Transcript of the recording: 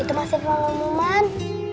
itu masih pengumuman